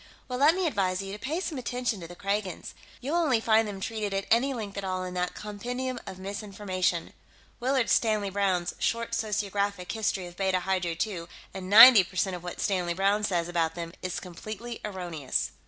"Well, let me advise you to pay some attention to the Kragans. You'll only find them treated at any length at all in that compendium of misinformation, Willard Stanley Browne's Short Sociographic History of Beta Hydrae II, and ninety percent of what Stanley Browne says about them is completely erroneous."